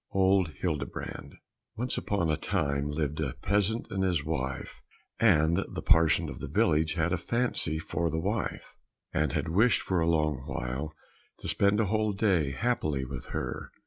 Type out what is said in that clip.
95 Old Hildebrand Once upon a time lived a peasant and his wife, and the parson of the village had a fancy for the wife, and had wished for a long while to spend a whole day happily with her.